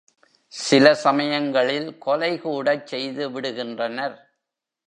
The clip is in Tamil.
சில சமயங்களில் கொலை கூடச் செய்து விடுகின்றனர்.